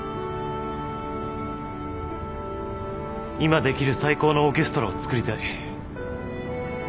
今できる最高のオーケストラをつくりたい。